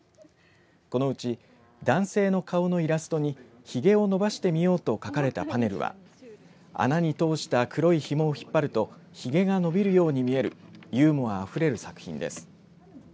このうち男性の顔のイラストにひげをのばしてみようと書かれたパネルは穴に通した黒いひもを引っ張るとひげが伸びるように見えるユーモアあふれる作品です。